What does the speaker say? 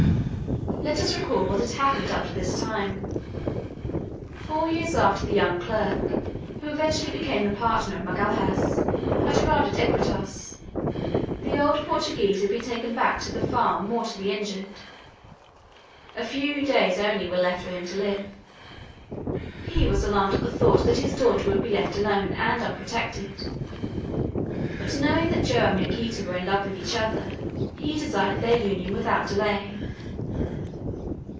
Let us recall what had happened up to this time. Four years after the young clerk, who eventually became the partner of Magalhaës, had arrived at Iquitos, the old Portuguese had been taken back to the farm mortally injured. A few days only were left for him to live. He was alarmed at the thought that his daughter would be left alone and unprotected; but knowing that Joam and Yaquita were in love with each other, he desired their union without delay.